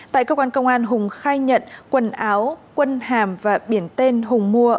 tại cơ quan công an hùng khai nhận quần áo quân hàm và biển tên hùng mua